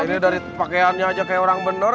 ini dari pakaiannya aja kayak orang bener